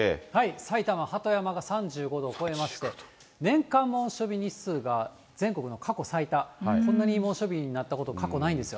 埼玉・鳩山が３５度を超えまして、年間猛暑日日数が全国で過去最多、そんなに猛暑日になったこと、過去ないんですよ。